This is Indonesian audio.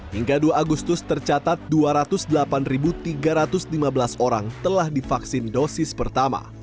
hingga dua agustus tercatat dua ratus delapan tiga ratus lima belas orang telah divaksin dosis pertama